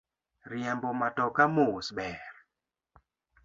Riembo matoka mos ber.